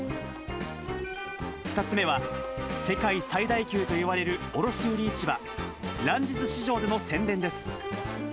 ２つ目は、世界最大級といわれる卸売り市場、ランジス市場での宣伝です。